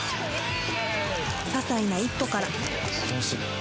ささいな一歩から